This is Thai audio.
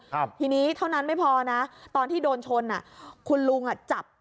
ครับทีนี้เท่านั้นไม่พอนะตอนที่โดนชนอ่ะคุณลุงอ่ะจับ